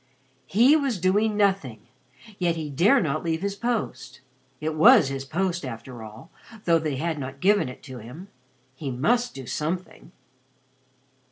He was doing nothing, yet he dare not leave his post. It was his post after all, though they had not given it to him. He must do something.